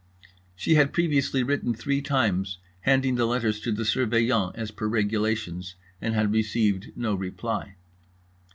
She had previously written three times, handing the letters to the Surveillant, as per regulations, and had received no reply.